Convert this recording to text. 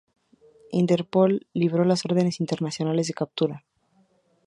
Interpol libró las órdenes internacionales de captura.